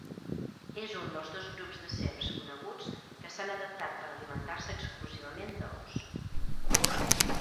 És un dels dos grups de serps coneguts que s'han adaptat per alimentar-se exclusivament d'ous.